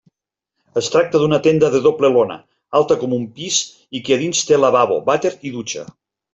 Es tracta d'una tenda de doble lona, alta com un pis i que a dins té lavabo, vàter i dutxa.